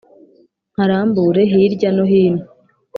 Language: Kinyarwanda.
Nkarambure hirya no hino